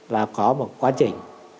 là có một quá trình